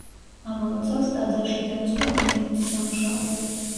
ამავე წელს ტაძარში დაიწყო აღდგენითი სამუშაოები.